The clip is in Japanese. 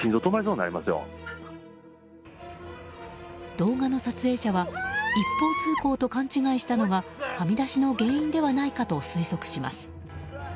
動画の撮影者は一方通行と勘違いしたのがはみ出しの原因ではないかと推測します。